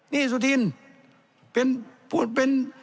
นี่สุธินเป็น